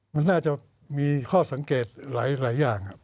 มันน่าจะมีข้อสังเกตหลายอย่างครับ